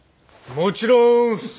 もちろんす。